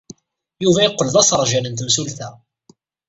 Yuba yeqqel d aseṛjan n temsulta.